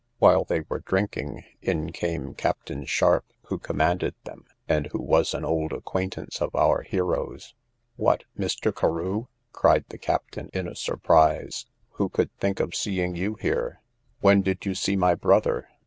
While they were drinking, in came Captain Sharp, who commanded them, and who was an old acquaintance of our hero's. What, Mr. Carew! cried the captain in a surprise, who could think of seeing you here? When did you see my brother?